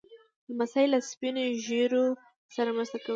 لمسی له سپين ږیرو سره مرسته کوي.